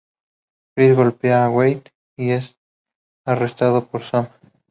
Chris golpea a Wade y es arrestado por Sam.